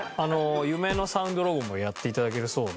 夢のサウンドロゴもやって頂けるそうで。